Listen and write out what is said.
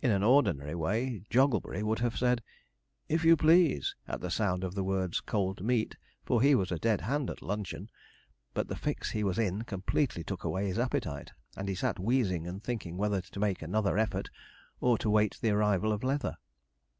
In an ordinary way, Jogglebury would have said, 'if you please,' at the sound of the words 'cold meat,' for he was a dead hand at luncheon; but the fix he was in completely took away his appetite, and he sat wheezing and thinking whether to make another effort, or to wait the arrival of Leather.